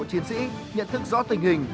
chiến sĩ nhận thức rõ tình hình